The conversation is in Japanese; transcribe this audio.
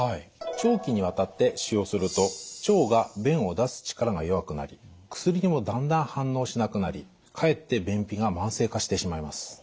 長期にわたって使用すると腸が便を出す力が弱くなり薬にもだんだん反応しなくなりかえって便秘が慢性化してしまいます。